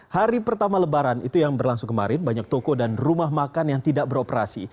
hari pertama lebaran itu yang berlangsung kemarin banyak toko dan rumah makan yang tidak beroperasi